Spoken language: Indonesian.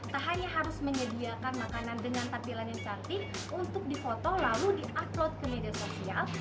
tak hanya harus menyediakan makanan dengan tampilan yang cantik untuk difoto lalu di upload ke media sosial